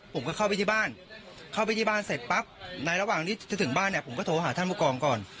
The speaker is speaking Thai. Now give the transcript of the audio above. ผมก็เข้าไปที่บ้านเข้าไปที่บ้านเสร็จปั๊บในระหว่างที่จะถึงบ้านเนี่ยผมก็โทรหาท่านผู้กองก่อน